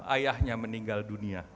ayahnya meninggal dunia